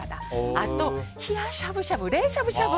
あと、冷やししゃぶしゃぶ冷しゃぶしゃぶ